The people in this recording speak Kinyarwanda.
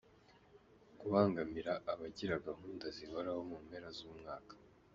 Kubangamira abagira gahunda zihoraho mu mpera z’umwaka.